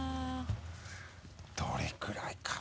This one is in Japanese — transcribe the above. どれくらいかな？